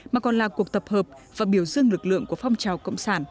mà còn là cuộc tập hợp và biểu dương lực lượng của phong trào cộng sản